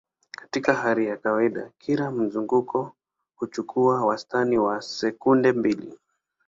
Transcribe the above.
Katika hali ya kawaida, kila mzunguko huchukua wastani wa sekunde mbili.